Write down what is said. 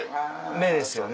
目ですよね。